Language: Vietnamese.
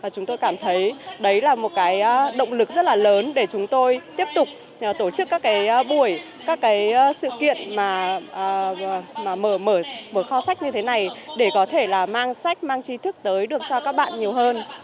chúng tôi cảm thấy đấy là một cái động lực rất là lớn để chúng tôi tiếp tục tổ chức các cái buổi các sự kiện mà mở mở kho sách như thế này để có thể là mang sách mang chi thức tới được cho các bạn nhiều hơn